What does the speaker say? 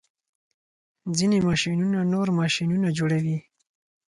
ځینې ماشینونه نور ماشینونه جوړوي.